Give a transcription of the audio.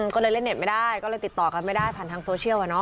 ก็เลยติดต่อกันไม่ได้ผ่านทางโซเชียล